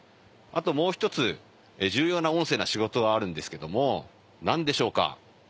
あともう１つ重要な音声の仕事があるんですけども何でしょうか？